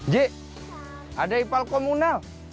je ada ipal komunal